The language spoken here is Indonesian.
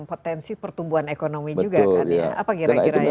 potensi pertumbuhan ekonomi juga kan ya